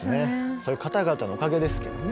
そういう方々のおかげですけどね。